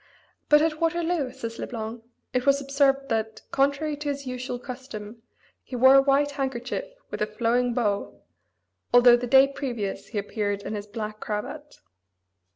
"But at Waterloo," says Le Blanc, "it was observed that, contrary to his usual custom, he wore a white handkerchief with a flowing bow, although the day previous he appeared in his black cravat."